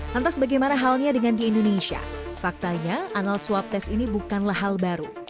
lantas bagaimana halnya dengan di indonesia faktanya anal swab test ini bukanlah hal baru